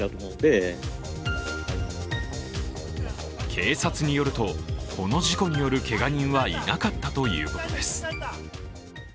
警察によると、この事故によるけが人は、いなかったということです。